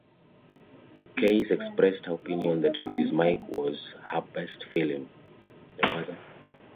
Keyes expressed her opinion that "Mrs. Mike" was her best film.